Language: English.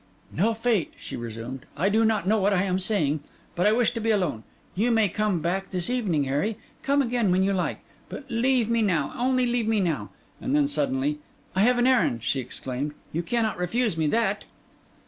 'No fate,' she resumed. 'I do not know what I am saying. But I wish to be alone. You may come back this evening, Harry; come again when you like; but leave me now, only leave me now!' And then suddenly, 'I have an errand,' she exclaimed; 'you cannot refuse me that!